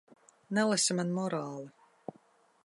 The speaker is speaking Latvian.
Nelasi man morāli.